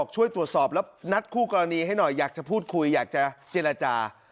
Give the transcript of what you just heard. ช่วยตรวจสอบแล้วนัดคู่กรณีให้หน่อยอยากจะพูดคุยอยากจะเจรจา